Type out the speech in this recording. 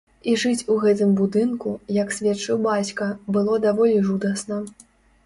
І жыць у гэтым будынку, як сведчыў бацька, было даволі жудасна.